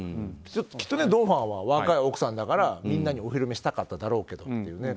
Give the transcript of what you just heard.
きっと、ドン・ファンは若い奥さんだからみんなにお披露目をしたかったんでしょうけどね。